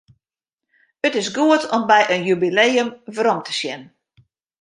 It is goed om by in jubileum werom te sjen.